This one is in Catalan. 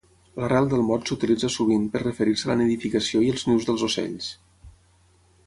L'arrel del mot s'utilitza sovint per referir-se a la nidificació i els nius dels ocells.